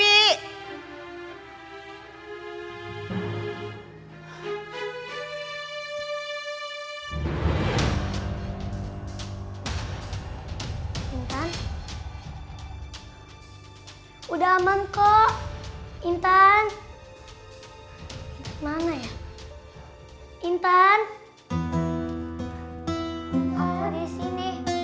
intan udah aman kok intan mana ya intan